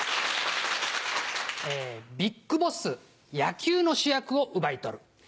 ビッグボス野球の主役を奪い取る。